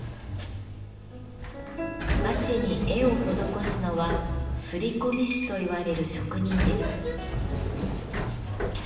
和紙に絵を施すのは摺込師といわれる職人です。